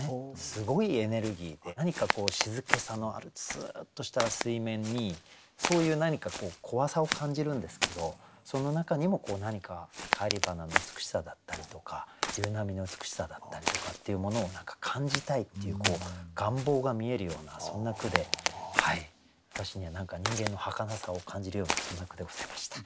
すごいエネルギーで何か静けさのあるスッとした水面にそういう何か怖さを感じるんですけどその中にも何か返り花の美しさだったりとか夕波の美しさだったりとかっていうものを感じたいっていう願望が見えるようなそんな句で私には人間のはかなさを感じるようなそんな句でございました。